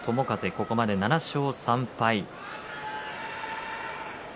ここまで７勝３敗。